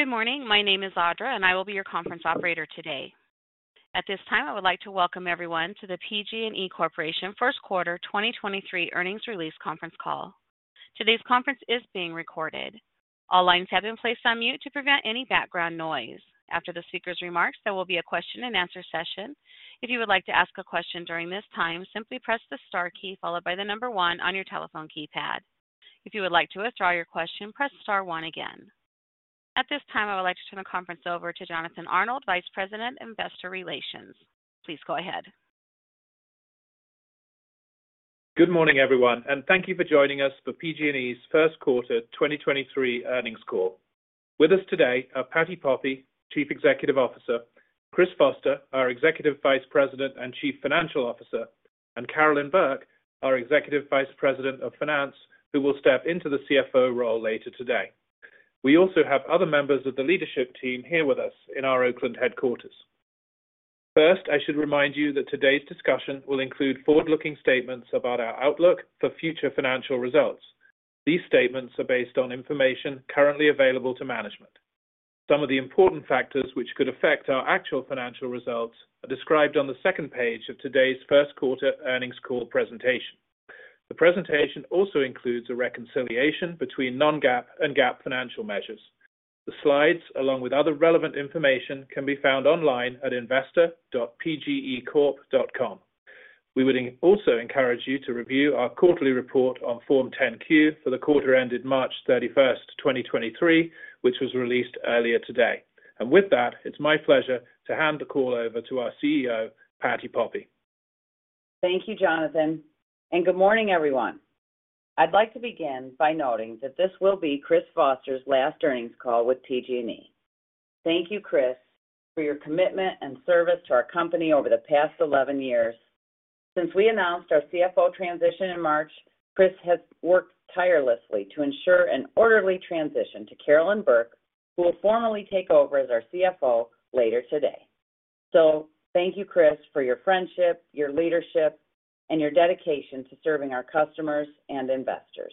Good morning. My name is Audra, and I will be your conference operator today. At this time, I would like to welcome everyone to the PG&E Corporation first quarter 2023 earnings release conference call. Today's conference is being recorded. All lines have been placed on mute to prevent any background noise. After the speakers' remarks, there will be a question-and-answer session. If you would like to ask a question during this time, simply press the star key followed by the one on your telephone keypad. If you would like to withdraw your question, press star one again. At this time, I would like to turn the conference over to Jonathan Arnold, Vice President, Investor Relations. Please go ahead. Good morning, everyone, thank you for joining us for PG&E's first quarter 2023 earnings call. With us today are Patti Poppe, Chief Executive Officer, Chris Foster, our Executive Vice President and Chief Financial Officer, and Carolyn Burke, our Executive Vice President of Finance, who will step into the CFO role later today. We also have other members of the leadership team here with us in our Oakland headquarters. First, I should remind you that today's discussion will include forward-looking statements about our outlook for future financial results. These statements are based on information currently available to management. Some of the important factors which could affect our actual financial results are described on the second page of today's first quarter earnings call presentation. The presentation also includes a reconciliation between non-GAAP and GAAP financial measures. The slides, along with other relevant information, can be found online at investor.pgecorp.com. We would also encourage you to review our quarterly report on Form 10-Q for the quarter ended March 31st, 2023, which was released earlier today. With that, it's my pleasure to hand the call over to our CEO, Patti Poppe. Thank you, Jonathan. Good morning, everyone. I'd like to begin by noting that this will be Chris Foster's last earnings call with PG&E. Thank you, Chris, for your commitment and service to our company over the past 11 years. Since we announced our CFO transition in March, Chris has worked tirelessly to ensure an orderly transition to Carolyn Burke, who will formally take over as our CFO later today. Thank you, Chris, for your friendship, your leadership, and your dedication to serving our customers and investors.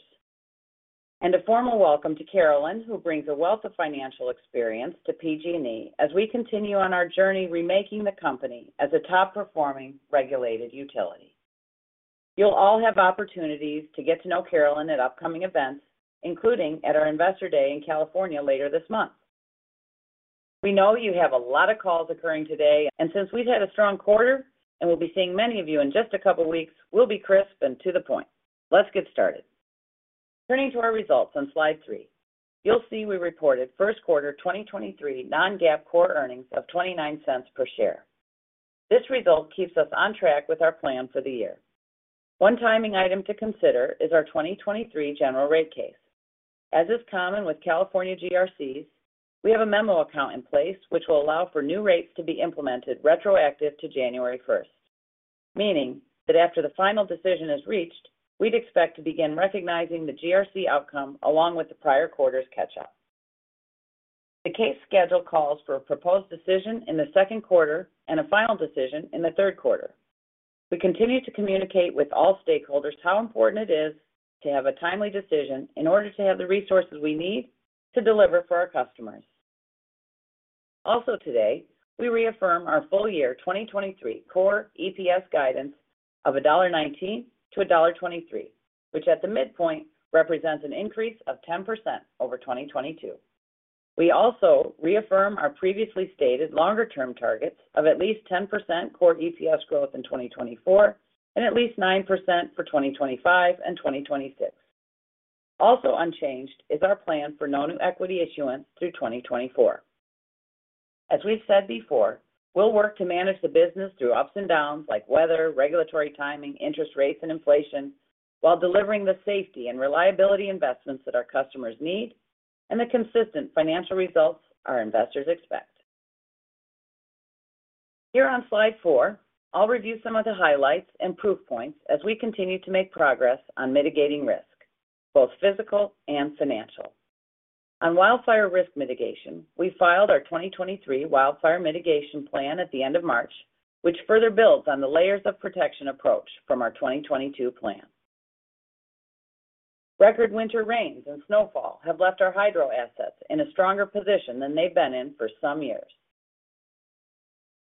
A formal welcome to Carolyn, who brings a wealth of financial experience to PG&E as we continue on our journey remaking the company as a top-performing regulated utility. You'll all have opportunities to get to know Carolyn at upcoming events, including at our Investor Day in California later this month. We know you have a lot of calls occurring today, and since we've had a strong quarter and we'll be seeing many of you in just a couple weeks, we'll be crisp and to the point. Let's get started. Turning to our results on slide three, you'll see we reported first quarter 2023 non-GAAP core earnings of $0.29 per share. This result keeps us on track with our plan for the year. One timing item to consider is our 2023 general rate case. As is common with California GRCs, we have a memo account in place which will allow for new rates to be implemented retroactive to January 1st, meaning that after the final decision is reached, we'd expect to begin recognizing the GRC outcome along with the prior quarter's catch-up. The case schedule calls for a proposed decision in the second quarter and a final decision in the third quarter. We continue to communicate with all stakeholders how important it is to have a timely decision in order to have the resources we need to deliver for our customers. Today, we reaffirm our full year 2023 core EPS guidance of $1.19-$1.23, which at the midpoint represents an increase of 10% over 2022. We also reaffirm our previously stated longer-term targets of at least 10% core EPS growth in 2024 and at least 9% for 2025 and 2026. Unchanged is our plan for no new equity issuance through 2024. As we've said before, we'll work to manage the business through ups and downs like weather, regulatory timing, interest rates, and inflation while delivering the safety and reliability investments that our customers need and the consistent financial results our investors expect. Here on slide four, I'll review some of the highlights and proof points as we continue to make progress on mitigating risk, both physical and financial. On wildfire risk mitigation, we filed our 2023 wildfire mitigation plan at the end of March, which further builds on the layers of protection approach from our 2022 plan. Record winter rains and snowfall have left our hydro assets in a stronger position than they've been in for some years.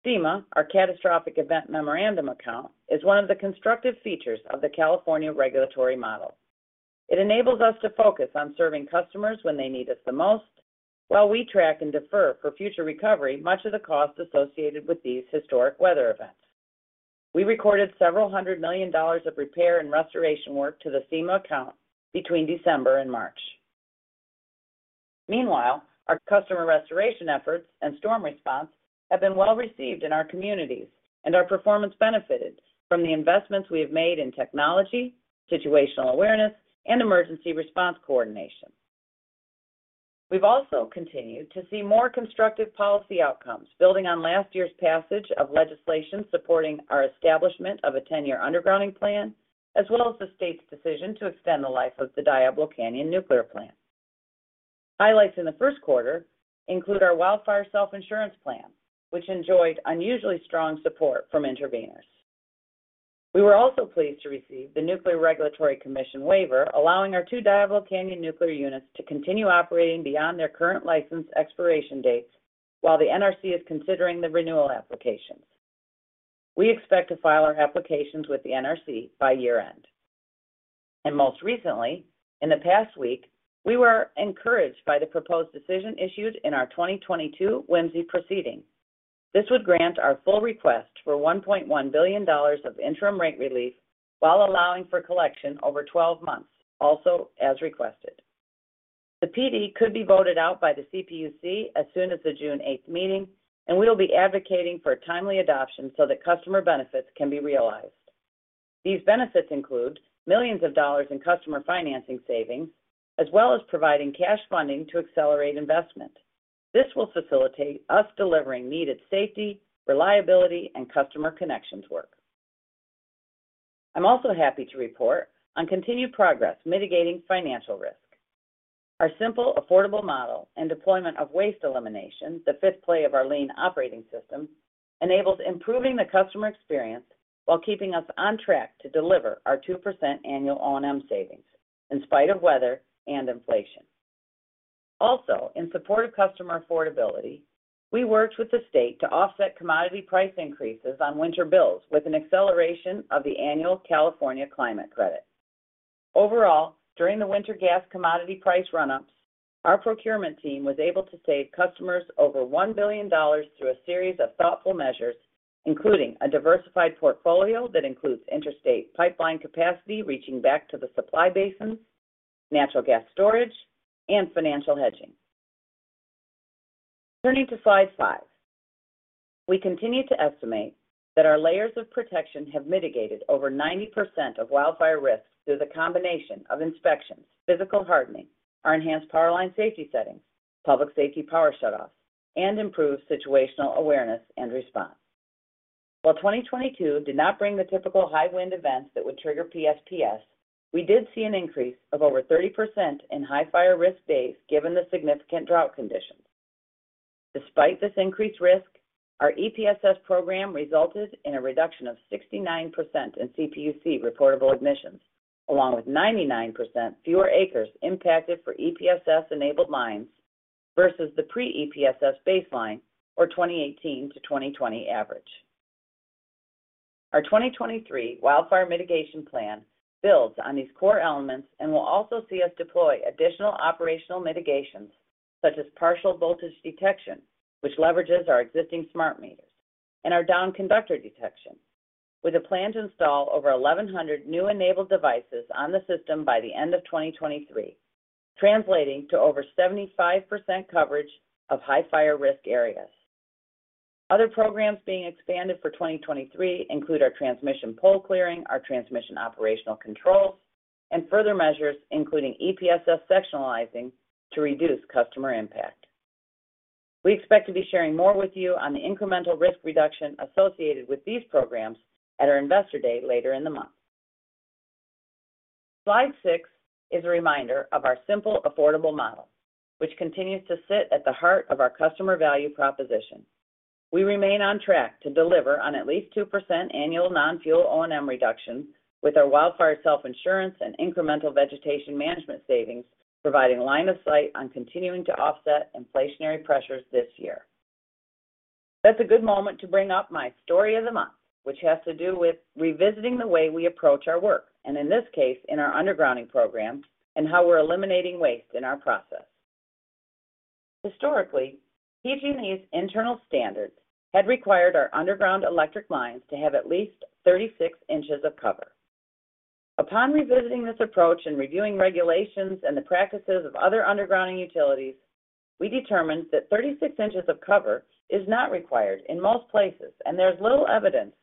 CEMA, our Catastrophic Event Memorandum Account, is one of the constructive features of the California regulatory model. It enables us to focus on serving customers when they need us the most, while we track and defer for future recovery much of the cost associated with these historic weather events. We recorded several hundred million dollars of repair and restoration work to the CEMA account between December and March. Our customer restoration efforts and storm response have been well-received in our communities, and our performance benefited from the investments we have made in technology, situational awareness, and emergency response coordination. We've also continued to see more constructive policy outcomes, building on last year's passage of legislation supporting our establishment of a 10-year undergrounding plan, as well as the state's decision to extend the life of the Diablo Canyon Power Plant. Highlights in the first quarter include our wildfire self-insurance plan, which enjoyed unusually strong support from interveners. We were also pleased to receive the Nuclear Regulatory Commission waiver allowing our two Diablo Canyon nuclear units to continue operating beyond their current license expiration dates while the NRC is considering the renewal applications. We expect to file our applications with the NRC by year-end. Most recently, in the past week, we were encouraged by the proposed decision issued in our 2022 WMCE proceeding. This would grant our full request for $1.1 billion of interim rate relief while allowing for collection over 12 months, also as requested. The PD could be voted out by the CPUC as soon as the June 8th meeting, and we will be advocating for timely adoption so that customer benefits can be realized. These benefits include millions of dollars in customer financing savings, as well as providing cash funding to accelerate investment. This will facilitate us delivering needed safety, reliability, and customer connections work. I'm also happy to report on continued progress mitigating financial risk. Our simple, affordable model and deployment of waste elimination, the fifth play of our lean operating system, enables improving the customer experience while keeping us on track to deliver our 2% annual O&M savings in spite of weather and inflation. In support of customer affordability, we worked with the state to offset commodity price increases on winter bills with an acceleration of the annual California Climate Credit. Overall, during the winter gas commodity price run-ups, our procurement team was able to save customers over $1 billion through a series of thoughtful measures, including a diversified portfolio that includes interstate pipeline capacity reaching back to the supply basins, natural gas storage, and financial hedging. Turning to slide five. We continue to estimate that our layers of protection have mitigated over 90% of wildfire risks through the combination of inspections, physical hardening, our enhanced power line safety settings, public safety power shutoffs, and improved situational awareness and response. While 2022 did not bring the typical high wind events that would trigger PSPS, we did see an increase of over 30% in high fire risk days given the significant drought conditions. Despite this increased risk, our EPSS program resulted in a reduction of 69% in CPUC reportable ignitions, along with 99% fewer acres impacted for EPSS-enabled lines versus the pre-EPSS baseline for 2018 to 2020 average. Our 2023 wildfire mitigation plan builds on these core elements and will also see us deploy additional operational mitigations, such as partial voltage detection, which leverages our existing SmartMeters, and our Downed Conductor Detection, with a plan to install over 1,100 new enabled devices on the system by the end of 2023, translating to over 75% coverage of high fire risk areas. Other programs being expanded for 2023 include our transmission pole clearing, our transmission operational controls, and further measures, including EPSS sectionalizing to reduce customer impact. We expect to be sharing more with you on the incremental risk reduction associated with these programs at our investor day later in the month. Slide six is a reminder of our simple, affordable model, which continues to sit at the heart of our customer value proposition. We remain on track to deliver on at least 2% annual non-fuel O&M reductions, with our wildfire self-insurance and incremental vegetation management savings providing line of sight on continuing to offset inflationary pressures this year. That's a good moment to bring up my story of the month, which has to do with revisiting the way we approach our work, and in this case, in our undergrounding program and how we're eliminating waste in our process. Historically, PG&E's internal standards had required our underground electric lines to have at least 36 in of cover. Upon revisiting this approach and reviewing regulations and the practices of other undergrounding utilities, we determined that 36 in of cover is not required in most places, and there's little evidence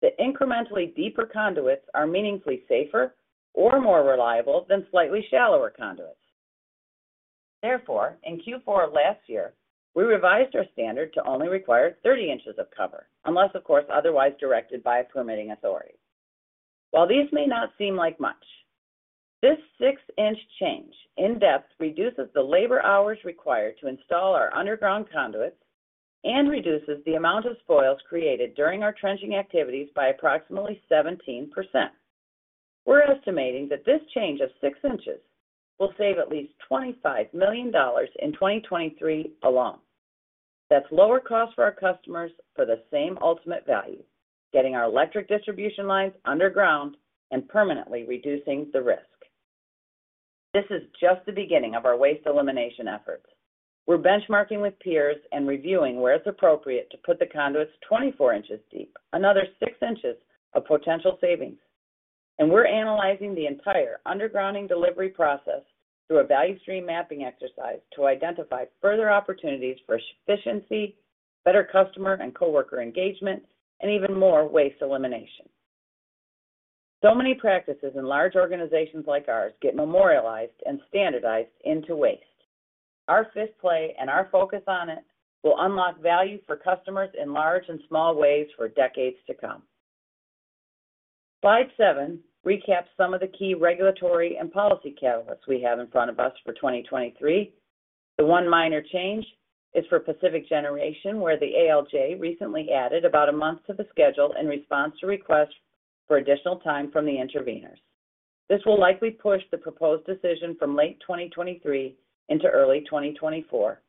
that incrementally deeper conduits are meaningfully safer or more reliable than slightly shallower conduits. In Q4 of last year, we revised our standard to only require 30 in of cover, unless of course, otherwise directed by a permitting authority. While these may not seem like much, this 6 in change in depth reduces the labor hours required to install our underground conduits and reduces the amount of spoils created during our trenching activities by approximately 17%. We're estimating that this change of 6 in will save at least $25 million in 2023 alone. That's lower cost for our customers for the same ultimate value, getting our electric distribution lines underground and permanently reducing the risk. This is just the beginning of our waste elimination efforts. We're benchmarking with peers and reviewing where it's appropriate to put the conduits 24 in deep, another 6 in of potential savings. We're analyzing the entire undergrounding delivery process through a value stream mapping exercise to identify further opportunities for efficiency, better customer and coworker engagement, and even more waste elimination. Many practices in large organizations like ours get memorialized and standardized into waste. Our fifth play and our focus on it will unlock value for customers in large and small ways for decades to come. Slide seven recaps some of the key regulatory and policy catalysts we have in front of us for 2023. The one minor change is for Pacific Generation, where the ALJ recently added about a month to the schedule in response to requests for additional time from the interveners. This will likely push the proposed decision from late 2023 into early 2024.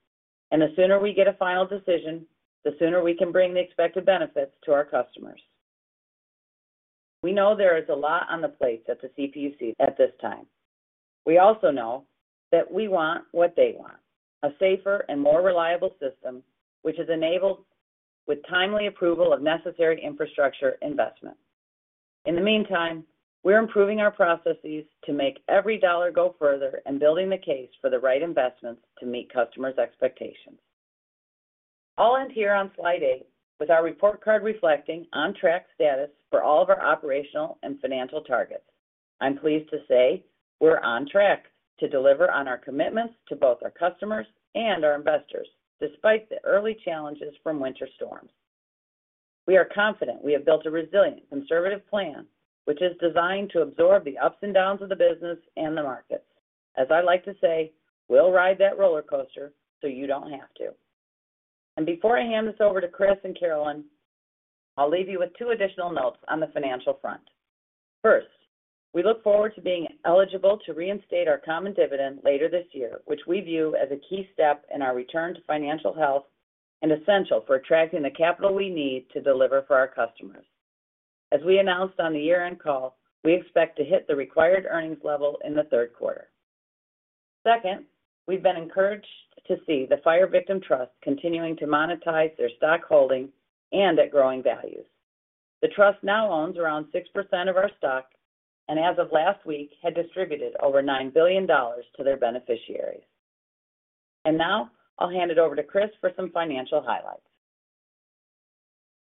The sooner we get a final decision, the sooner we can bring the expected benefits to our customers. We know there is a lot on the plate at the CPUC at this time. We also know that we want what they want: a safer and more reliable system, which is enabled with timely approval of necessary infrastructure investments. In the meantime, we're improving our processes to make every dollar go further and building the case for the right investments to meet customers' expectations. I'll end here on slide eight with our report card reflecting on-track status for all of our operational and financial targets. I'm pleased to say we're on track to deliver on our commitments to both our customers and our investors, despite the early challenges from winter storms. We are confident we have built a resilient, conservative plan which is designed to absorb the ups and downs of the business and the market. As I like to say, "We'll ride that roller coaster, so you don't have to." Before I hand this over to Chris and Carolyn, I'll leave you with two additional notes on the financial front. First, we look forward to being eligible to reinstate our common dividend later this year, which we view as a key step in our return to financial health and essential for attracting the capital we need to deliver for our customers. As we announced on the year-end call, we expect to hit the required earnings level in the third quarter. Second, we've been encouraged to see the PG&E Fire Victim Trust continuing to monetize their stock holding and at growing values. The trust now owns around 6% of our stock, as of last week, had distributed over $9 billion to their beneficiaries. Now I'll hand it over to Chris for some financial highlights.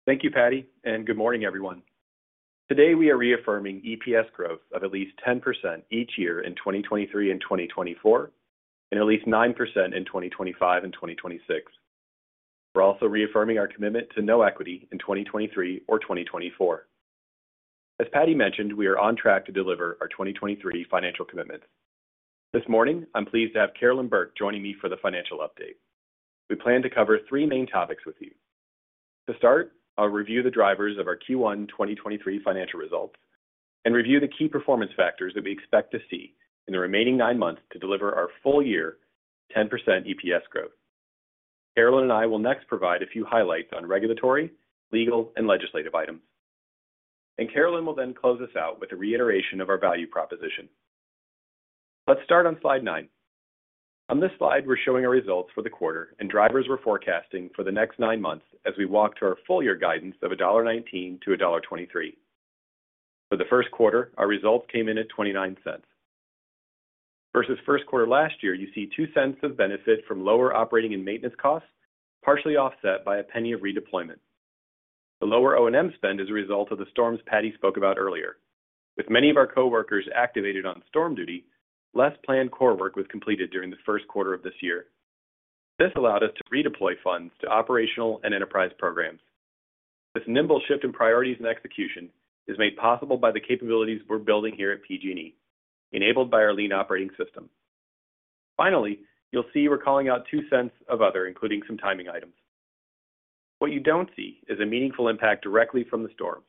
Thank you, Patti, and good morning, everyone. Today, we are reaffirming EPS growth of at least 10% each year in 2023 and 2024 and at least 9% in 2025 and 2026. We're also reaffirming our commitment to no equity in 2023 or 2024. As Patti mentioned, we are on track to deliver our 2023 financial commitments. This morning, I'm pleased to have Carolyn Burke joining me for the financial update. We plan to cover three main topics with you. To start, I'll review the drivers of our Q1 2023 financial results and review the key performance factors that we expect to see in the remaining nine months to deliver our full year 10% EPS growth. Carolyn and I will next provide a few highlights on regulatory, legal, and legislative items. Carolyn will then close us out with a reiteration of our value proposition. Let's start on slide nine. On this slide, we're showing our results for the quarter and drivers we're forecasting for the next nine months as we walk to our full year guidance of $1.19-$1.23. For the first quarter, our results came in at $0.29. Versus first quarter last year, you see $0.02 of benefit from lower operating and maintenance costs, partially offset by $0.01 of redeployment. The lower O&M spend is a result of the storms Patti spoke about earlier. With many of our coworkers activated on storm duty, less planned core work was completed during the first quarter of this year. This allowed us to redeploy funds to operational and enterprise programs. This nimble shift in priorities and execution is made possible by the capabilities we're building here at PG&E, enabled by our lean operating system. Finally, you'll see we're calling out $0.02 of other, including some timing items. What you don't see is a meaningful impact directly from the storms.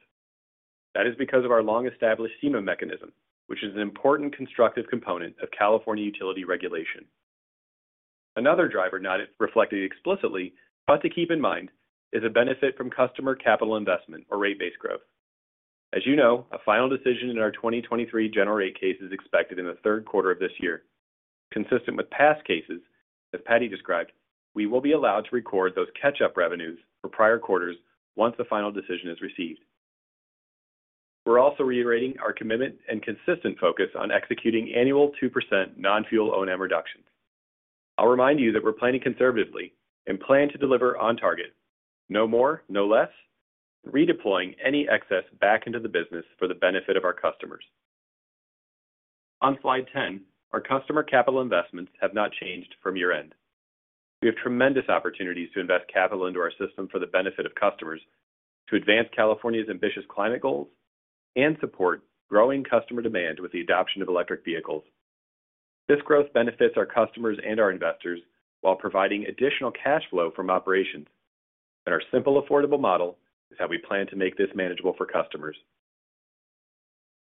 That is because of our long-established CEMA mechanism, which is an important constructive component of California utility regulation. Another driver not reflected explicitly, but to keep in mind, is a benefit from customer capital investment or rate base growth. As you know, a final decision in our 2023 general rate case is expected in the third quarter of this year. Consistent with past cases, as Patti described, we will be allowed to record those catch-up revenues for prior quarters once the final decision is received. We're also reiterating our commitment and consistent focus on executing annual 2% non-fuel O&M reductions. I'll remind you that we're planning conservatively and plan to deliver on target. No more, no less, redeploying any excess back into the business for the benefit of our customers. On slide 10, our customer capital investments have not changed from year-end. We have tremendous opportunities to invest capital into our system for the benefit of customers to advance California's ambitious climate goals and support growing customer demand with the adoption of electric vehicles. This growth benefits our customers and our investors while providing additional cash flow from operations. Our simple, affordable model is how we plan to make this manageable for customers.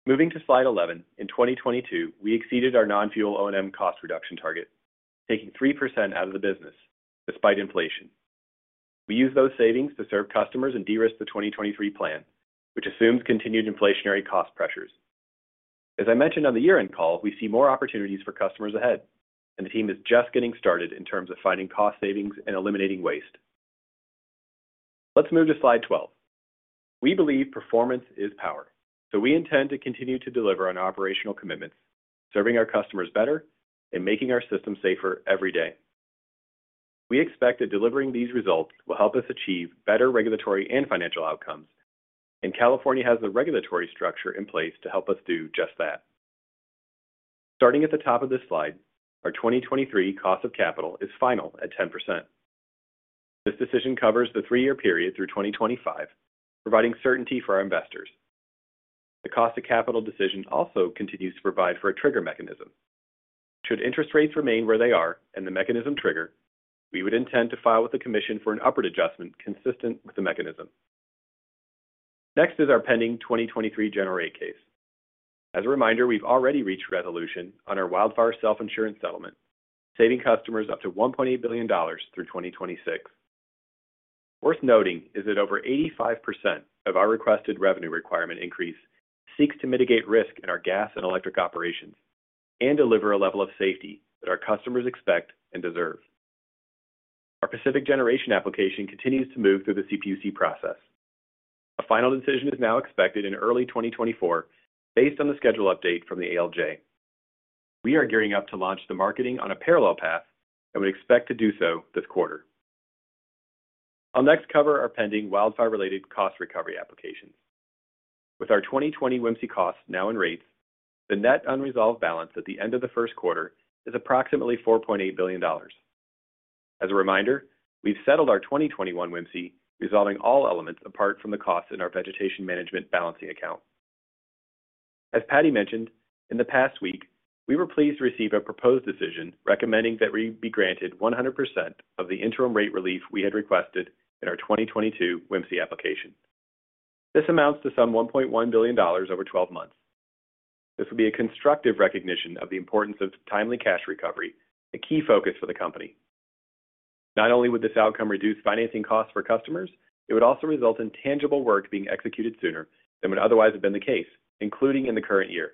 Moving to slide 11, in 2022, we exceeded our non-fuel O&M cost reduction target, taking 3% out of the business despite inflation. We used those savings to serve customers and de-risk the 2023 plan, which assumes continued inflationary cost pressures. As I mentioned on the year-end call, we see more opportunities for customers ahead. The team is just getting started in terms of finding cost savings and eliminating waste. Let's move to slide 12. We believe performance is power. We intend to continue to deliver on operational commitments, serving our customers better and making our system safer every day. We expect that delivering these results will help us achieve better regulatory and financial outcomes. California has the regulatory structure in place to help us do just that. Starting at the top of this slide, our 2023 cost of capital is final at 10%. This decision covers the three-year period through 2025, providing certainty for our investors. The cost of capital decision also continues to provide for a trigger mechanism. Should interest rates remain where they are and the mechanism trigger, we would intend to file with the commission for an upward adjustment consistent with the mechanism. Next is our pending 2023 General Rate Case. As a reminder, we've already reached resolution on our wildfire self-insurance settlement, saving customers up to $1.8 billion through 2026. Worth noting is that over 85% of our requested revenue requirement increase seeks to mitigate risk in our gas and electric operations and deliver a level of safety that our customers expect and deserve. Our Pacific Generation application continues to move through the CPUC process. A final decision is now expected in early 2024 based on the schedule update from the ALJ. We are gearing up to launch the marketing on a parallel path and we expect to do so this quarter. I'll next cover our pending wildfire-related cost recovery applications. With our 2020 WMCE costs now in rates, the net unresolved balance at the end of the first quarter is approximately $4.8 billion. As a reminder, we've settled our 2021 WMCE, resolving all elements apart from the cost in our Vegetation Management Balancing Account. As Patti Poppe mentioned, in the past week, we were pleased to receive a proposed decision recommending that we be granted 100% of the interim rate relief we had requested in our 2022 WMCE application. This amounts to some $1.1 billion over 12 months. This will be a constructive recognition of the importance of timely cash recovery, a key focus for the company. Not only would this outcome reduce financing costs for customers, it would also result in tangible work being executed sooner than would otherwise have been the case, including in the current year.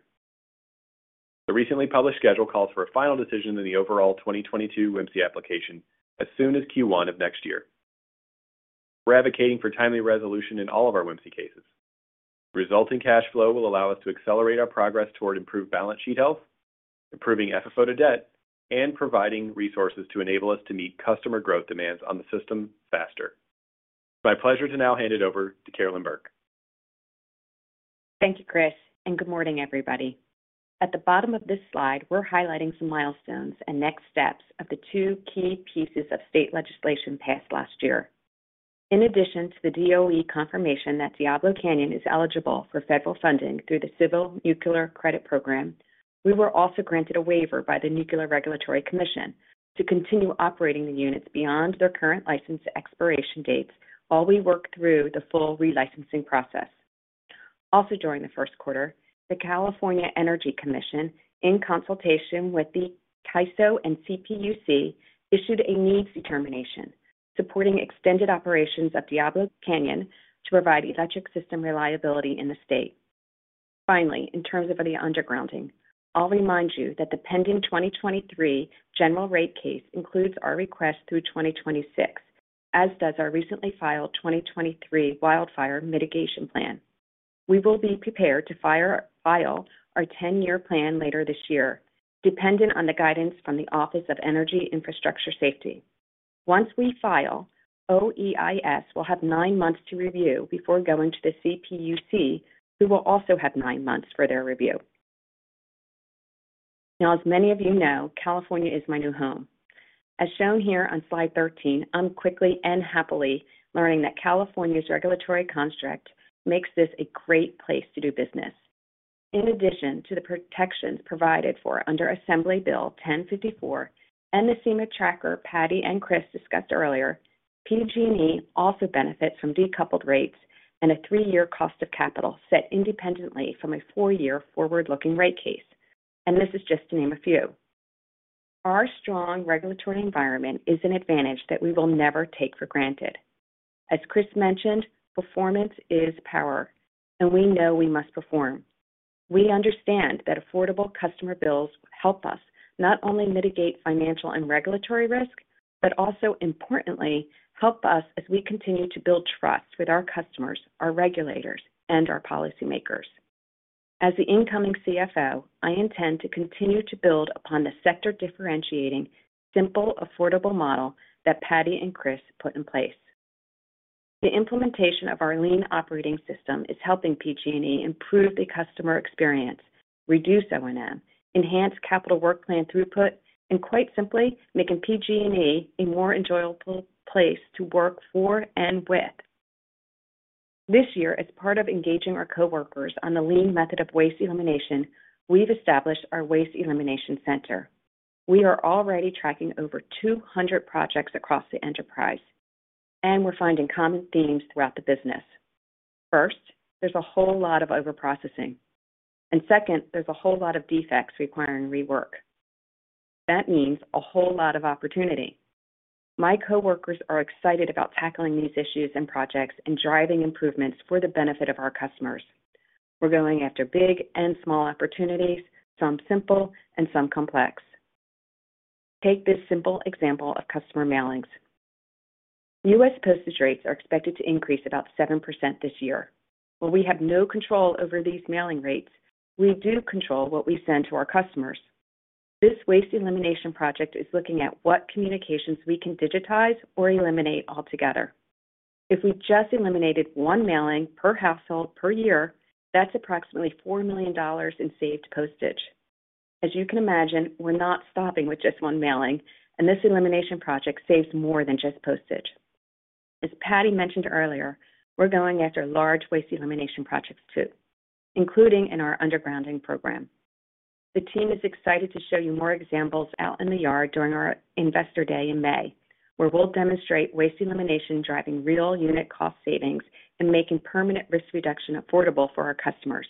The recently published schedule calls for a final decision in the overall 2022 WMCE application as soon as Q1 of next year. We're advocating for timely resolution in all of our WMCE cases. Resulting cash flow will allow us to accelerate our progress toward improved balance sheet health, improving FFO to debt, and providing resources to enable us to meet customer growth demands on the system faster. It's my pleasure to now hand it over to Carolyn Burke. Thank you, Chris, good morning, everybody. At the bottom of this slide, we're highlighting some milestones and next steps of the two key pieces of state legislation passed last year. In addition to the DOE confirmation that Diablo Canyon is eligible for federal funding through the Civil Nuclear Credit Program, we were also granted a waiver by the Nuclear Regulatory Commission to continue operating the units beyond their current license expiration dates while we work through the full re-licensing process. During the first quarter, the California Energy Commission, in consultation with the CAISO and CPUC, issued a needs determination, supporting extended operations of Diablo Canyon to provide electric system reliability in the state. In terms of the undergrounding, I'll remind you that the pending 2023 general rate case includes our request through 2026, as does our recently filed 2023 wildfire mitigation plan. We will be prepared to file our 10-year plan later this year, dependent on the guidance from the Office of Energy Infrastructure Safety. Once we file, OEIS will have nine months to review before going to the CPUC, who will also have nine months for their review. As many of you know, California is my new home. As shown here on slide 13, I'm quickly and happily learning that California's regulatory construct makes this a great place to do business. In addition to the protections provided for under Assembly Bill 1054 and the CEMA tracker Patti and Chris discussed earlier, PG&E also benefits from decoupled rates and a three-year cost of capital set independently from a four-year forward-looking rate case. This is just to name a few. Our strong regulatory environment is an advantage that we will never take for granted. As Chris mentioned, performance is power, and we know we must perform. We understand that affordable customer bills help us not only mitigate financial and regulatory risk, but also importantly, help us as we continue to build trust with our customers, our regulators, and our policymakers. As the incoming CFO, I intend to continue to build upon the sector differentiating simple, affordable model that Patti and Chris put in place. The implementation of our lean operating system is helping PG&E improve the customer experience, reduce O&M, enhance capital work plan throughput, and quite simply, making PG&E a more enjoyable place to work for and with. This year, as part of engaging our coworkers on the lean method of waste elimination, we've established our waste elimination center. We are already tracking over 200 projects across the enterprise, and we're finding common themes throughout the business. First, there's a whole lot of overprocessing. Second, there's a whole lot of defects requiring rework. That means a whole lot of opportunity. My coworkers are excited about tackling these issues and projects and driving improvements for the benefit of our customers. We're going after big and small opportunities, some simple and some complex. Take this simple example of customer mailings. U.S. postage rates are expected to increase about 7% this year. While we have no control over these mailing rates, we do control what we send to our customers. This waste elimination project is looking at what communications we can digitize or eliminate altogether. If we just eliminated one mailing per household per year, that's approximately $4 million in saved postage. As you can imagine, we're not stopping with just one mailing, and this elimination project saves more than just postage. As Patti mentioned earlier, we're going after large waste elimination projects too, including in our undergrounding program. The team is excited to show you more examples out in the yard during our Investor Day in May, where we'll demonstrate waste elimination driving real unit cost savings and making permanent risk reduction affordable for our customers.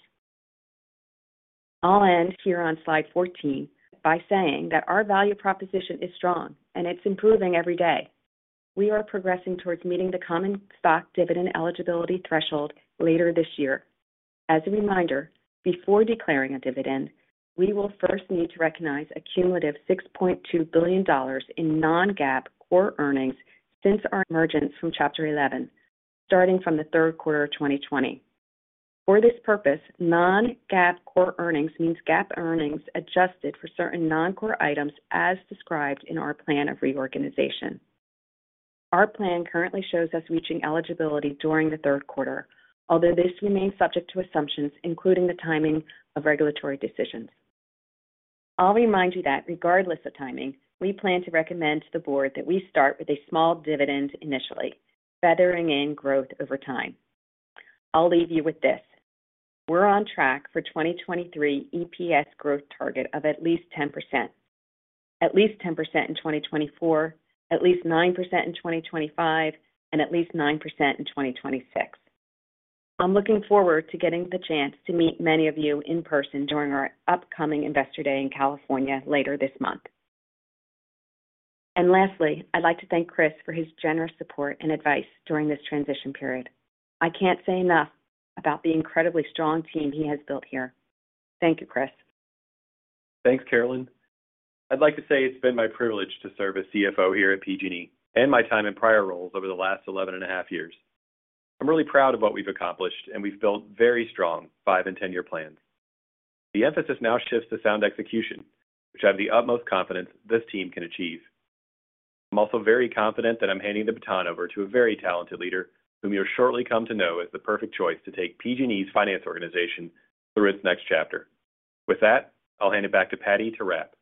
I'll end here on slide 14 by saying that our value proposition is strong, and it's improving every day. We are progressing towards meeting the common stock dividend eligibility threshold later this year. As a reminder, before declaring a dividend, we will first need to recognize a cumulative $6.2 billion in non-GAAP core earnings since our emergence from Chapter 11, starting from the third quarter of 2020. For this purpose, non-GAAP core earnings means GAAP earnings adjusted for certain non-core items as described in our plan of reorganization. Our plan currently shows us reaching eligibility during the third quarter, although this remains subject to assumptions, including the timing of regulatory decisions. I'll remind you that regardless of timing, we plan to recommend to the board that we start with a small dividend initially, feathering in growth over time. I'll leave you with this. We're on track for 2023 EPS growth target of at least 10%. At least 10% in 2024, at least 9% in 2025, and at least 9% in 2026. I'm looking forward to getting the chance to meet many of you in person during our upcoming Investor Day in California later this month. Lastly, I'd like to thank Chris for his generous support and advice during this transition period. I can't say enough about the incredibly strong team he has built here. Thank you, Chris. Thanks, Carolyn. I'd like to say it's been my privilege to serve as CFO here at PG&E and my time in prior roles over the last 11.5 years. I'm really proud of what we've accomplished, and we've built very strong five and 10-year plans. The emphasis now shifts to sound execution, which I have the utmost confidence this team can achieve. I'm also very confident that I'm handing the baton over to a very talented leader whom you'll shortly come to know as the perfect choice to take PG&E's finance organization through its next chapter. With that, I'll hand it back to Patti to wrap.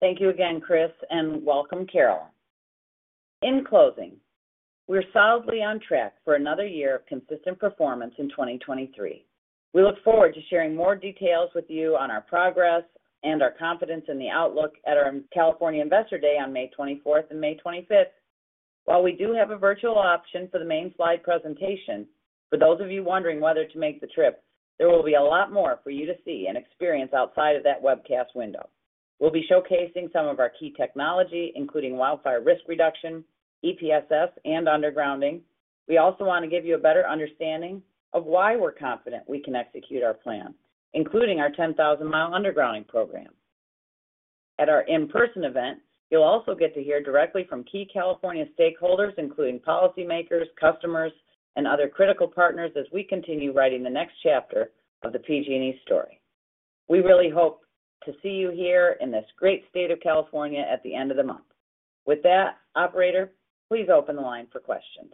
Thank you again, Chris, welcome, Carolyn. In closing, we're solidly on track for another year of consistent performance in 2023. We look forward to sharing more details with you on our progress and our confidence in the outlook at our California Investor Day on May 24th and May 25th. While we do have a virtual option for the main slide presentation, for those of you wondering whether to make the trip, there will be a lot more for you to see and experience outside of that webcast window. We'll be showcasing some of our key technology, including wildfire risk reduction, EPSS and undergrounding. We also want to give you a better understanding of why we're confident we can execute our plan, including our 10,000 mi undergrounding program. At our in-person event, you'll also get to hear directly from key California stakeholders, including policymakers, customers, and other critical partners as we continue writing the next chapter of the PG&E story. We really hope to see you here in this great state of California at the end of the month. With that, operator, please open the line for questions.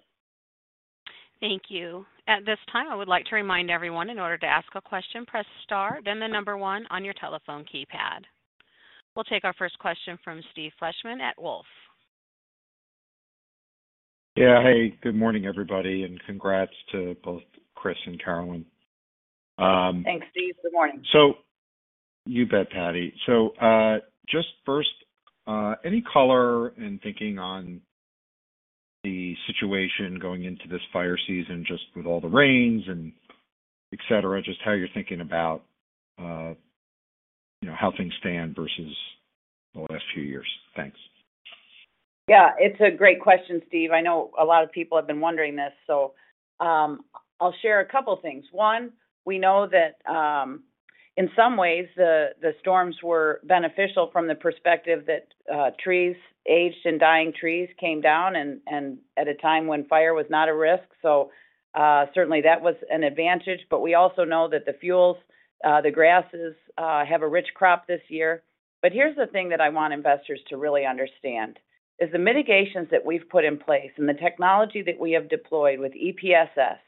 Thank you. At this time, I would like to remind everyone in order to ask a question, press star, then the one on your telephone keypad. We'll take our first question from Steve Fleishman at Wolfe. Yeah, hey, good morning, everybody. Congrats to both Chris and Carolyn. Thanks, Steve. Good morning. You bet, Patti. Just first, any color in thinking on the situation going into this fire season, just with all the rains and etc. Just how you're thinking about, you know, how things stand versus the last few years? Thanks. It's a great question, Steve. I know a lot of people have been wondering this. I'll share a couple of things. One, we know that, in some ways the storms were beneficial from the perspective that, trees, aged and dying trees came down and, at a time when fire was not a risk. Certainly that was an advantage. We also know that the fuels, the grasses, have a rich crop this year. Here's the thing that I want investors to really understand, is the mitigations that we've put in place and the technology that we have deployed with EPSS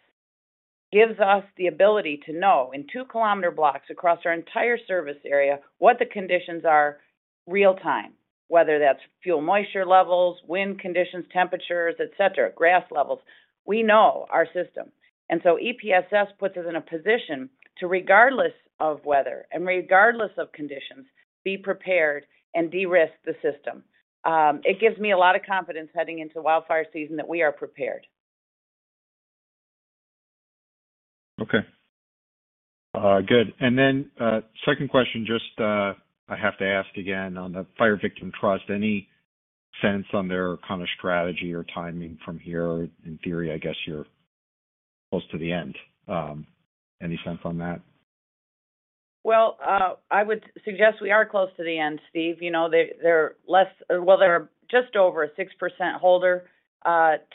gives us the ability to know in 2 km blocks across our entire service area what the conditions are real-time, whether that's fuel moisture levels, wind conditions, temperatures, etc., grass levels. We know our system. EPSS puts us in a position to, regardless of weather and regardless of conditions, be prepared and de-risk the system. It gives me a lot of confidence heading into wildfire season that we are prepared. Okay. Good. Second question, just, I have to ask again on the Fire Victim Trust, any sense on their kinda strategy or timing from here? In theory, I guess you're close to the end. Any sense on that? I would suggest we are close to the end, Steve. You know, they're less. They're just over a 6% holder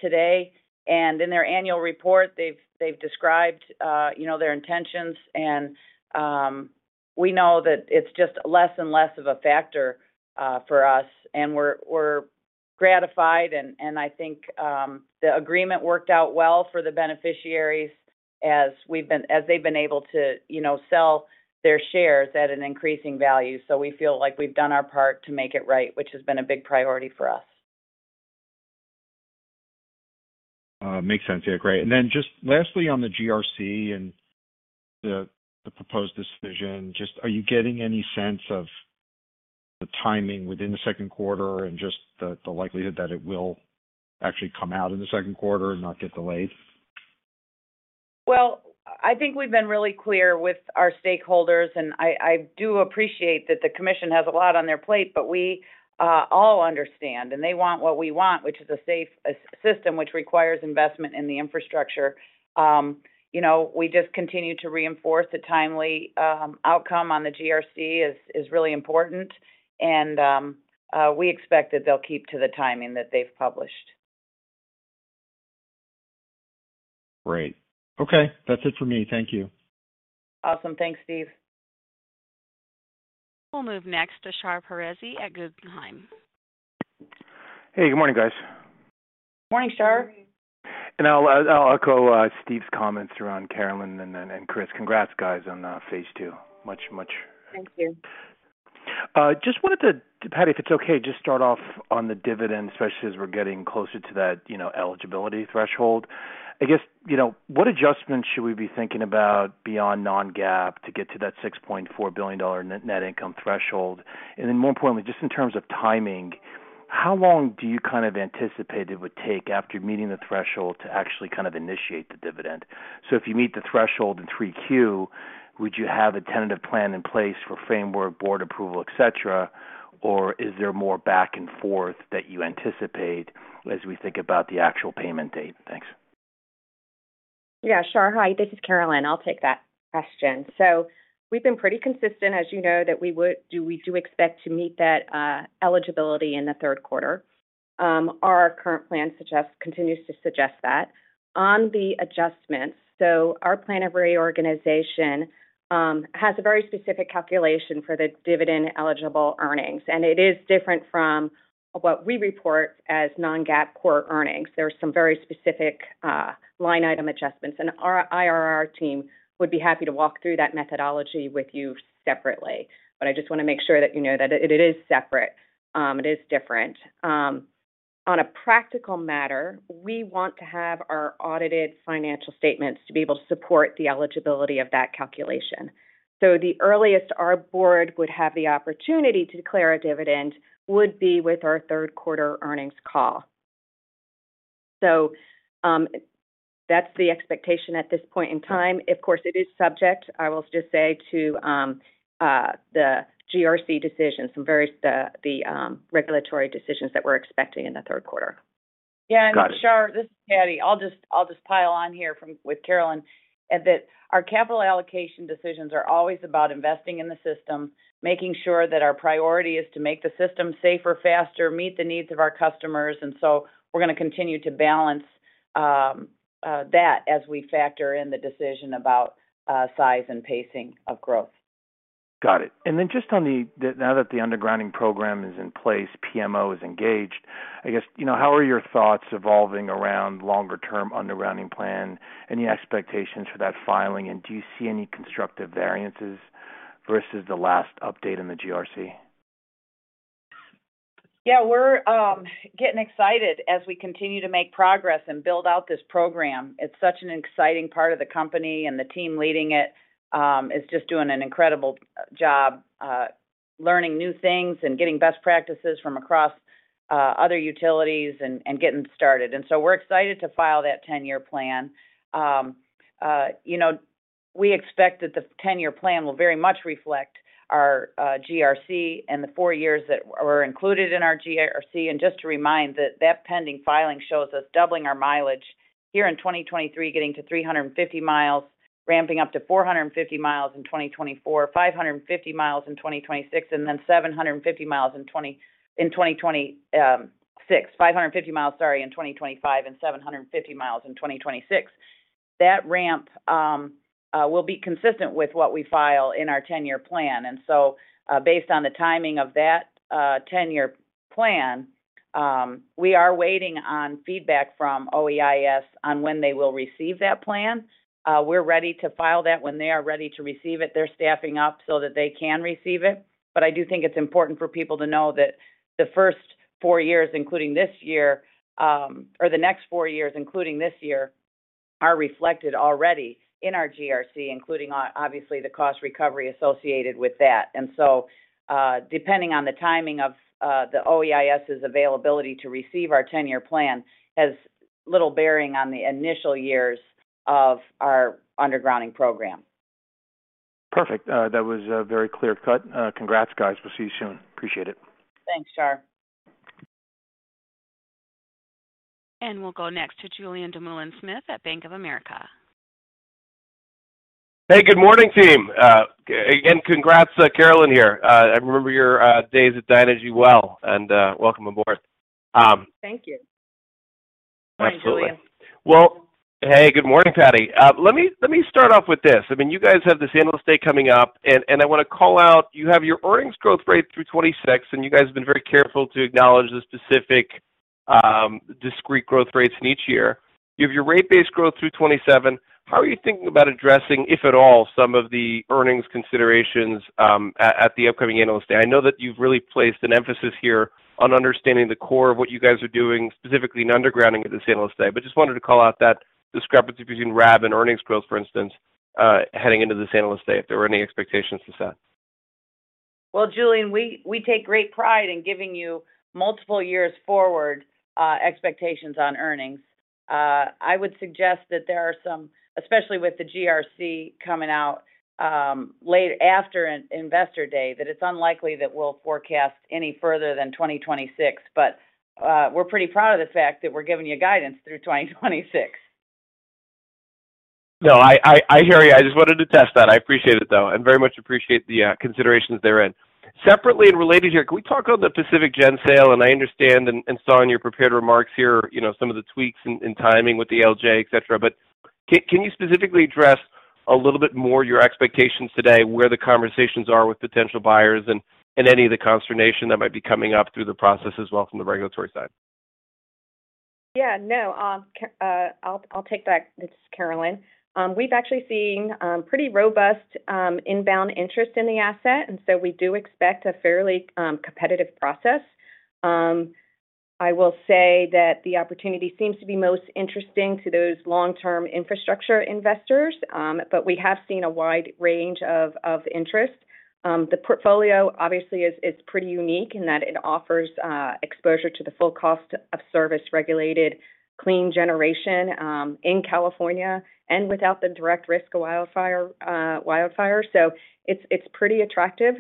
today. In their annual report, they've described, you know, their intentions. We know that it's just less and less of a factor for us, and we're gratified and I think the agreement worked out well for the beneficiaries. As they've been able to, you know, sell their shares at an increasing value. We feel like we've done our part to make it right, which has been a big priority for us. Makes sense. Great. Just lastly on the GRC and the proposed decision, just are you getting any sense of the timing within the second quarter and just the likelihood that it will actually come out in the second quarter and not get delayed? I think we've been really clear with our stakeholders, and I do appreciate that the Commission has a lot on their plate, but we all understand, and they want what we want, which is a safe system which requires investment in the infrastructure. You know, we just continue to reinforce the timely outcome on the GRC is really important and we expect that they'll keep to the timing that they've published. Great. Okay. That's it for me. Thank you. Awesome. Thanks, Steve. We'll move next to Shar Pourreza at Guggenheim. Hey, good morning, guys. Morning, Shar. Morning. I'll echo Steve's comments around Carolyn and Chris. Congrats, guys, on phase II. Thank you. Just wanted to, Patti, if it's okay, just start off on the dividend, especially as we're getting closer to that, you know, eligibility threshold. I guess, you know, what adjustments should we be thinking about beyond non-GAAP to get to that $6.4 billion net income threshold? More importantly, just in terms of timing, how long do you kind of anticipate it would take after meeting the threshold to actually kind of initiate the dividend? If you meet the threshold in 3Q, would you have a tentative plan in place for framework, board approval, etc., or is there more back and forth that you anticipate as we think about the actual payment date? Thanks. Shar. Hi, this is Carolyn. I'll take that question. We've been pretty consistent, as you know, that we do expect to meet that eligibility in the third quarter. Our current plan continues to suggest that. On the adjustments, our plan of reorganization has a very specific calculation for the dividend-eligible earnings, and it is different from what we report as non-GAAP core earnings. There are some very specific line item adjustments, our IRR team would be happy to walk through that methodology with you separately. I just wanna make sure that you know that it is separate, it is different. On a practical matter, we want to have our audited financial statements to be able to support the eligibility of that calculation. The earliest our board would have the opportunity to declare a dividend would be with our third quarter earnings call. That's the expectation at this point in time. Of course, it is subject, I will just say, to the GRC decision, some very regulatory decisions that we're expecting in the third quarter. Got it. Yeah, Shar, this is Patti. I'll just pile on here with Carolyn, that our capital allocation decisions are always about investing in the system, making sure that our priority is to make the system safer, faster, meet the needs of our customers. We're gonna continue to balance that as we factor in the decision about size and pacing of growth. Got it. Just on that now that the undergrounding program is in place, PMO is engaged, I guess, you know, how are your thoughts evolving around longer term undergrounding plan? Any expectations for that filing? Do you see any constructive variances versus the last update in the GRC? Yeah. We're getting excited as we continue to make progress and build out this program. It's such an exciting part of the company and the team leading it is just doing an incredible job learning new things and getting best practices from across other utilities and getting started. We're excited to file that 10-year plan. You know, we expect that the 10-year plan will very much reflect our GRC and the four years that were included in our GRC. Just to remind that that pending filing shows us doubling our mileage here in 2023, getting to 350 mi, ramping up to 450 mi in 2024, 550 mi in 2026, and then 750 mi in 2026. 550 mi, sorry, in 2025 and 750 mi in 2026. That ramp will be consistent with what we file in our 10-year plan. Based on the timing of that 10-year plan, we are waiting on feedback from OEIS on when they will receive that plan. We're ready to file that when they are ready to receive it. They're staffing up so that they can receive it. I do think it's important for people to know that the first four years, including this year, or the next four years, including this year, are reflected already in our GRC, including obviously, the cost recovery associated with that. Depending on the timing of the OEIS's availability to receive our 10-year plan has little bearing on the initial years of our undergrounding program. Perfect. That was very clear-cut. Congrats, guys. We'll see you soon. Appreciate it. Thanks, Shar. We'll go next to Julien Dumoulin-Smith at Bank of America. Hey, good morning, team. again, congrats, Carolyn here. I remember your days at Dynegy well and welcome aboard. Thank you. Absolutely. Morning, Julien. Well, hey, good morning, Patti. Let me start off with this. I mean, you guys have this annual state coming up. I wanna call out you have your earnings growth rate through 2026. You guys have been very careful to acknowledge the specific discrete growth rates in each year. You have your rate base growth through 2027. How are you thinking about addressing, if at all, some of the earnings considerations at the upcoming Analyst Day? I know that you've really placed an emphasis here on understanding the core of what you guys are doing, specifically in undergrounding at this Analyst Day. Just wanted to call out that discrepancy between RAB and earnings growth, for instance, heading into this Analyst Day, if there were any expectations to set. Julien, we take great pride in giving you multiple years forward expectations on earnings. I would suggest that there are some. Especially with the GRC coming out late after Investor Day, that it's unlikely that we'll forecast any further than 2026. We're pretty proud of the fact that we're giving you guidance through 2026. No, I hear you. I just wanted to test that. I appreciate it, though, and very much appreciate the considerations therein. Separately and related here, can we talk about the Pacific Gen sale? I understand and saw in your prepared remarks here, you know, some of the tweaks and timing with the ALJ, etc.. Can you specifically address a little bit more your expectations today, where the conversations are with potential buyers and any of the consternation that might be coming up through the process as well from the regulatory side? Yeah, no, I'll take that. It's Carolyn. We've actually seen pretty robust inbound interest in the asset, we do expect a fairly competitive process. I will say that the opportunity seems to be most interesting to those long-term infrastructure investors, we have seen a wide range of interest. The portfolio obviously is pretty unique in that it offers exposure to the full cost of service regulated clean generation in California and without the direct risk of wildfire, wildfires. It's pretty attractive.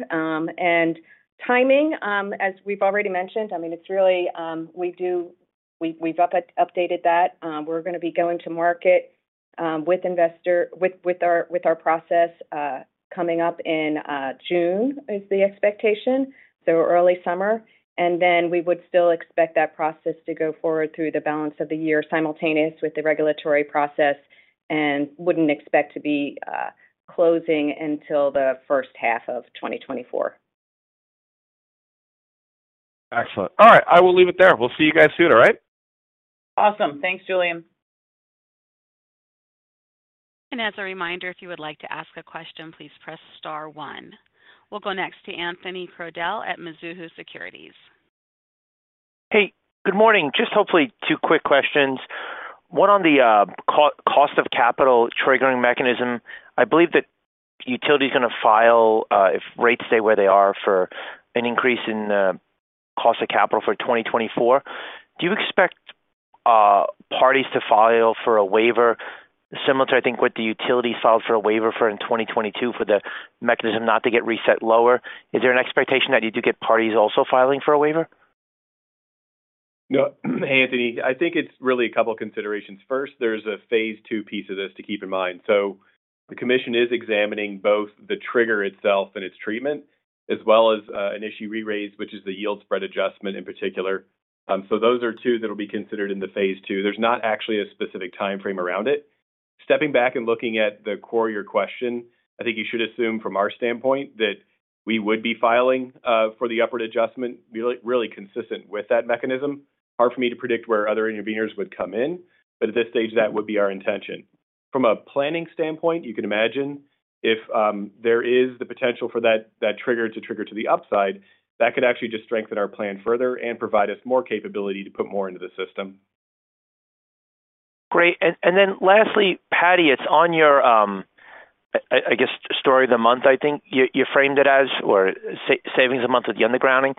Timing, as we've already mentioned, I mean, it's really, we've updated that. We're gonna be going to market with our process coming up in June, is the expectation, so early summer. We would still expect that process to go forward through the balance of the year, simultaneous with the regulatory process, and wouldn't expect to be closing until the first half of 2024. Excellent. All right. I will leave it there. We'll see you guys soon. All right? Awesome. Thanks, Julien. As a reminder, if you would like to ask a question, please press star one. We'll go next to Anthony Crowdell at Mizuho Securities. Hey, good morning. Just hopefully two quick questions. One on the cost of capital triggering mechanism. I believe the utility is gonna file if rates stay where they are for an increase in cost of capital for 2024. Do you expect parties to file for a waiver similar to, I think, what the utility filed for a waiver for in 2022 for the mechanism not to get reset lower? Is there an expectation that you do get parties also filing for a waiver? Anthony, I think it's really two considerations. First, there's a phase II piece of this to keep in mind. The commission is examining both the trigger itself and its treatment, as well as an issue we raised, which is the yield spread adjustment in particular. Those are two that will be considered in the phase II. There's not actually a specific timeframe around it. Stepping back and looking at the core of your question, I think you should assume from our standpoint that we would be filing for the upward adjustment really consistent with that mechanism. Hard for me to predict where other interveners would come in. At this stage, that would be our intention. From a planning standpoint, you can imagine if there is the potential for that trigger to the upside, that could actually just strengthen our plan further and provide us more capability to put more into the system. Great. Then lastly, Patti, it's on your, I guess, story of the month, I think you framed it as, or savings of the month with the undergrounding.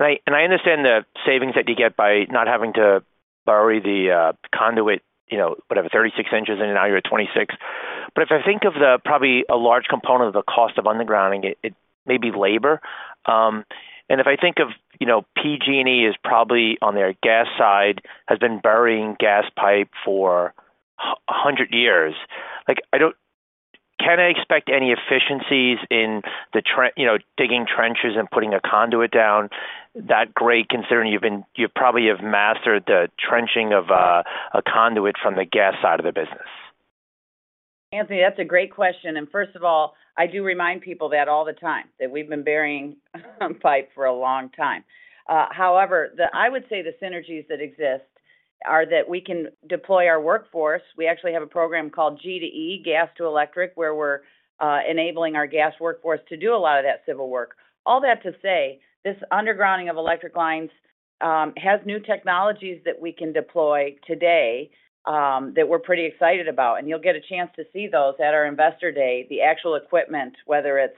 Right. I understand the savings that you get by not having to bury the conduit, you know, whatever, 36 in, and now you're at 26 in. If I think of the probably a large component of the cost of undergrounding it may be labor. If I think of, you know, PG&E is probably on their gas side, has been burying gas pipe for 100 years. Like, I don't. Can I expect any efficiencies in the, you know, digging trenches and putting a conduit down that great, considering you probably have mastered the trenching of a conduit from the gas side of the business? Anthony, that's a great question. First of all, I do remind people that all the time, that we've been burying pipe for a long time. However, I would say the synergies that exist are that we can deploy our workforce. We actually have a program called G2E, Gas to Electric, where we're enabling our gas workforce to do a lot of that civil work. All that to say, this undergrounding of electric lines has new technologies that we can deploy today that we're pretty excited about. You'll get a chance to see those at our Investor Day, the actual equipment, whether it's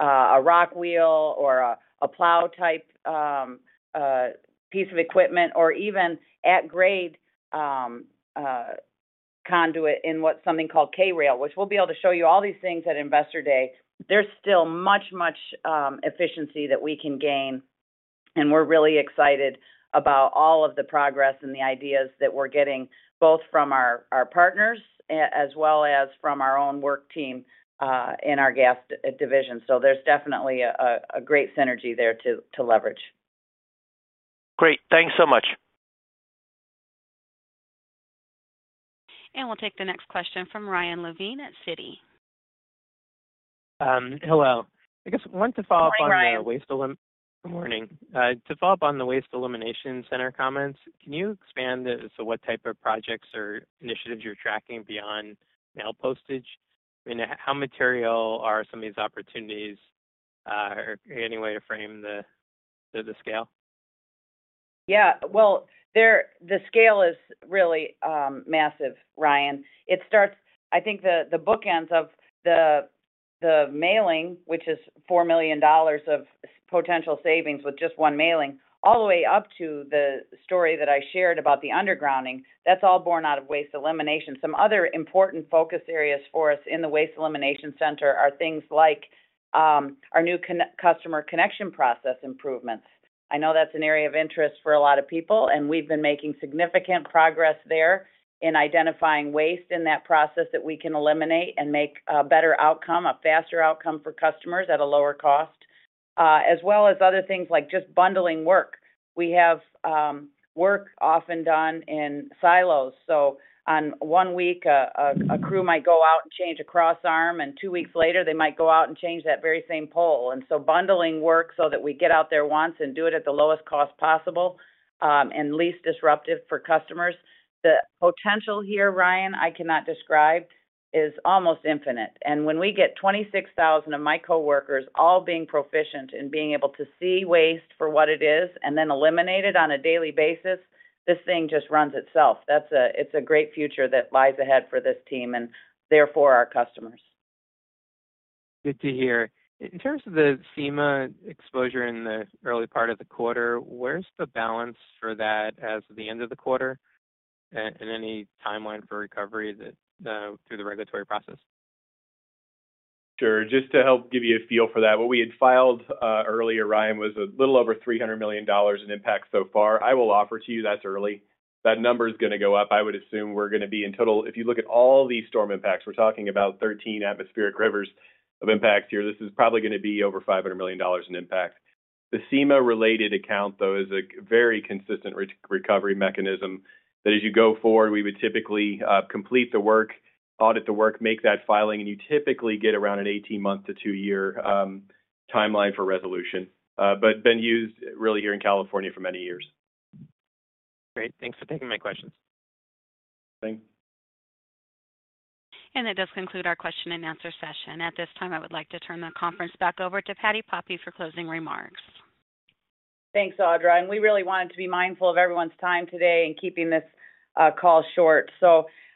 a rock wheel or a plow type piece of equipment or even at grade conduit in what something called K-rail, which we'll be able to show you all these things at Investor Day. There's still much efficiency that we can gain. We're really excited about all of the progress and the ideas that we're getting both from our partners as well as from our own work team, in our gas division. There's definitely a great synergy there to leverage. Great. Thanks so much. We'll take the next question from Ryan Levine at Citi. hello. I guess I wanted to follow up on the waste Morning, Ryan. Morning. To follow up on the waste elimination center comments, can you expand as to what type of projects or initiatives you're tracking beyond mail postage? I mean, how material are some of these opportunities? Or any way to frame the scale? Yeah. Well, the scale is really massive, Ryan. It starts, I think the bookends of the mailing, which is $4 million of potential savings with just one mailing, all the way up to the story that I shared about the undergrounding. That's all born out of waste elimination. Some other important focus areas for us in the waste elimination center are things like our new customer connection process improvements. I know that's an area of interest for a lot of people, and we've been making significant progress there in identifying waste in that process that we can eliminate and make a better outcome, a faster outcome for customers at a lower cost. As well as other things like just bundling work. We have work often done in silos, so on one week a crew might go out and change a crossarm, and two weeks later they might go out and change that very same pole. Bundling work so that we get out there once and do it at the lowest cost possible, and least disruptive for customers. The potential here, Ryan, I cannot describe. It is almost infinite. When we get 26,000 of my coworkers all being proficient and being able to see waste for what it is and then eliminate it on a daily basis, this thing just runs itself. It's a great future that lies ahead for this team and therefore our customers. Good to hear. In terms of the FEMA exposure in the early part of the quarter, where's the balance for that as of the end of the quarter? Any timeline for recovery that through the regulatory process? Sure. Just to help give you a feel for that, what we had filed earlier, Ryan, was a little over $300 million in impact so far. I will offer to you that's early. That number's gonna go up. I would assume we're gonna be, in total, if you look at all the storm impacts, we're talking about 13 atmospheric rivers of impacts here. This is probably gonna be over $500 million in impact. The CEMA-related account, though, is a very consistent recovery mechanism that as you go forward, we would typically complete the work, audit the work, make that filing, and you typically get around an 18-month to two-year timeline for resolution. Been used really here in California for many years. Great. Thanks for taking my questions. Thanks. That does conclude our question and answer session. At this time, I would like to turn the conference back over to Patti Poppe for closing remarks. Thanks, Audra. We really wanted to be mindful of everyone's time today in keeping this call short.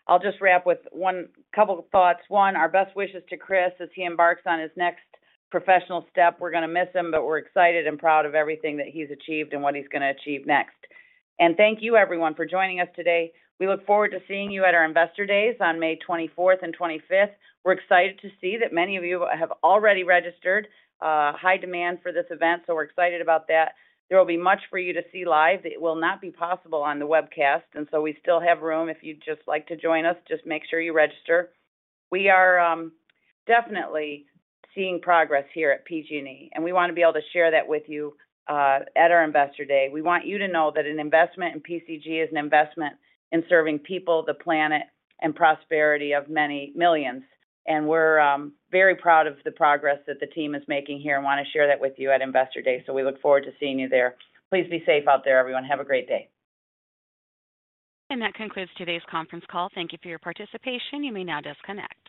I'll just wrap with a couple thoughts. One, our best wishes to Chris as he embarks on his next professional step. We're gonna miss him. We're excited and proud of everything that he's achieved and what he's gonna achieve next. Thank you everyone for joining us today. We look forward to seeing you at our Investor Days on May 24th and 25th. We're excited to see that many of you have already registered. High demand for this event. We're excited about that. There will be much for you to see live that will not be possible on the webcast. We still have room if you'd just like to join us. Just make sure you register. We are definitely seeing progress here at PG&E, and we wanna be able to share that with you at our Investor Day. We want you to know that an investment in PCG is an investment in serving people, the planet, and prosperity of many millions. We're very proud of the progress that the team is making here and wanna share that with you at Investor Day. We look forward to seeing you there. Please be safe out there, everyone. Have a great day. That concludes today's conference call. Thank you for your participation. You may now disconnect.